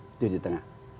itu di tengah